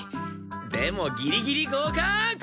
でもギリギリ合かく！